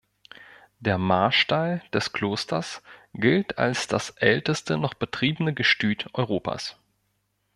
Der Marstall des Klosters gilt als das älteste noch betriebene Gestüt Europas.